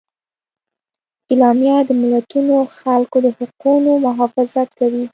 اعلامیه د ملتونو او خلکو د حقونو محافظت کوي.